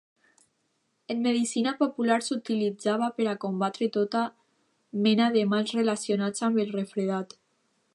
En medicina popular s'utilitzava per a combatre tota mena de mals relacionats amb el refredat.